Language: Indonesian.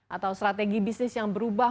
atau strategi bisnis yang berubah